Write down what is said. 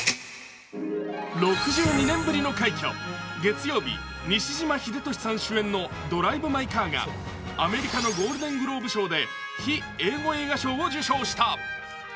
６２年ぶりの快挙、月曜日西島秀俊さん主演の「ドライブ・マイ・カー」がアメリカのゴールデン・グローブ賞で非英語映画賞を受賞した。